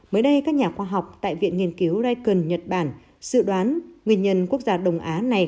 mới đây các nhà khoa học tại viện nghiên cứu rykon nhật bản dự đoán nguyên nhân quốc gia đông á này